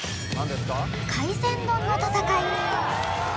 海鮮丼の戦い